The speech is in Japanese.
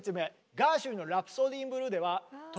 ガーシュウィンの「ラプソディー・イン・ブルー」ではハハハハ。